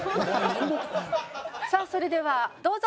さあそれではどうぞ！